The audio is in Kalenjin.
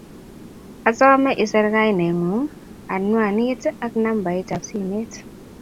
asome iser kainet ng'ung',anwanit ak nambaitab simet,